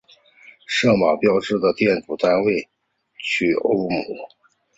色码标示的电阻其单位取欧姆。